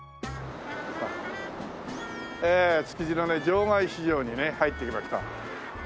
築地のね場外市場にね入ってきました。